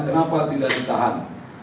kenapa tidak ditahan